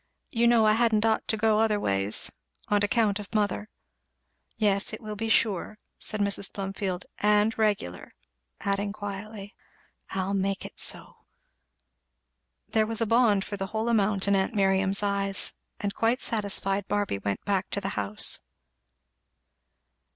You know I hadn't ought to go otherways, on account of mother." "Yes, it will be sure," said Mrs. Plumfield, "and regular;" adding quietly, "I'll make it so." There was a bond for the whole amount in aunt Miriam's eyes; and quite satisfied, Barby went back to the house.